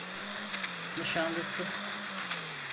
Nişanlısı.